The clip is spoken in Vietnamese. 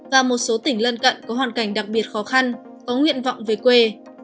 và một số tỉnh lân cận có hoàn cảnh đặc biệt khó khăn có nguyện vọng về quê